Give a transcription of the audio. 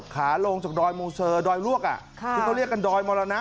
ขาลงจากดอยมูเซอร์ดอยลวกที่เขาเรียกกันดอยมรณะ